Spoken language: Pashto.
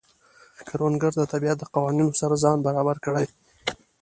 کروندګر د طبیعت د قوانینو سره ځان برابر کړي